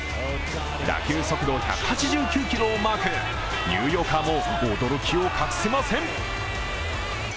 打球速度１８９キロをマーク、ニューヨーカーも驚きを隠せません。